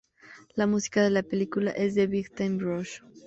La música de la película es de Big Time Rush.